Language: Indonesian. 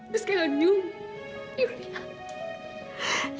terus kemudian yuk lihat